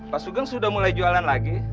pak sugeng sudah mulai jualan lagi